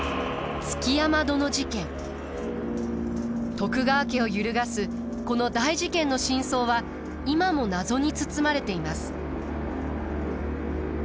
徳川家を揺るがすこの大事件の真相は今も謎に包まれています。